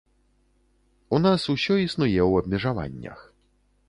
У нас усё існуе ў абмежаваннях.